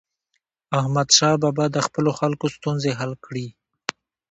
احمدشاه بابا د خپلو خلکو ستونزې حل کړي.